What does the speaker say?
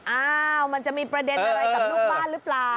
อ้าวมันจะมีประเด็นอะไรกับลูกบ้านหรือเปล่า